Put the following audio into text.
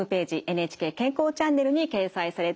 「ＮＨＫ健康チャンネル」に掲載されています。